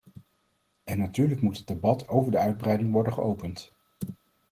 En natuurlijk moet het debat over de uitbreiding worden geopend.